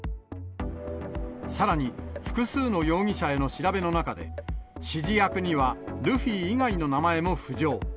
さらに、複数の容疑者への調べの中で、指示役にはルフィ以外の名前も浮上。